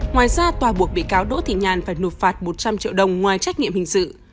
ngoài ra tòa buộc bị cáo đỗ thị nhàn phải nộp phạt một trăm linh triệu đồng ngoài trách nhiệm hình sự